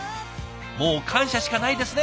もう感謝しかないですね